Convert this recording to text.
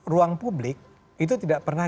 ruang publik itu tidak pernah